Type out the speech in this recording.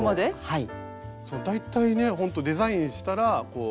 はい。